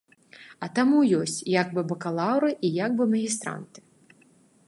А таму ёсць як бы бакалаўры і як бы магістранты.